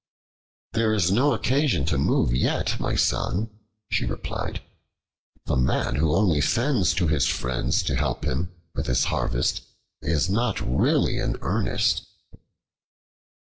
"There is no occasion to move yet, my son," she replied; "the man who only sends to his friends to help him with his harvest is not really in earnest."